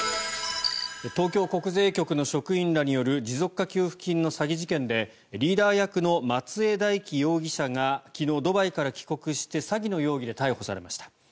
東京国税局の職員らによる持続化給付金の詐欺事件でリーダー役の松江大樹容疑者が昨日、ドバイから帰国して詐欺の容疑で逮捕されました。